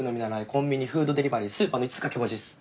コンビニフードデリバリースーパーの５つ掛け持ちっす。